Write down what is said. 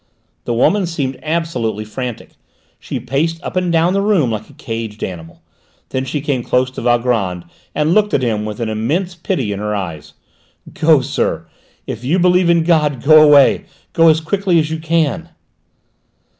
The woman seemed absolutely frantic. She paced up and down the room like a caged animal. Then she came close to Valgrand, and looked at him with an immense pity in her eyes. "Go, sir; if you believe in God, go away! Go as quickly as you can!"